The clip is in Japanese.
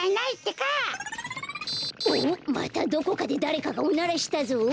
またどこかでだれかがおならしたぞ。